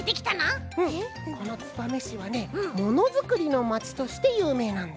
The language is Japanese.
うんこの燕市はねものづくりのまちとしてゆうめいなんだ。